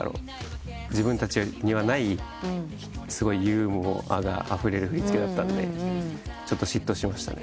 自分たちにはないユーモアがあふれる振り付けだったんで嫉妬しましたね。